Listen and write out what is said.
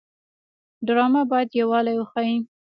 ډرامه باید یووالی وښيي